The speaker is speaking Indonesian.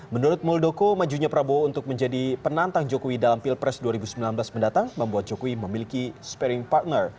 menurut muldoko majunya prabowo untuk menjadi penantang jokowi dalam pilpres dua ribu sembilan belas mendatang membuat jokowi memiliki sparring partner